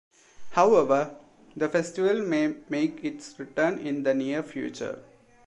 However, the festival may make its return in the near future.